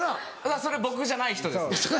それ僕じゃない人ですね。